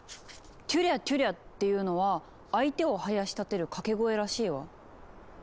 「テュリャテュリャ」っていうのは相手をはやしたてる掛け声らしいわ。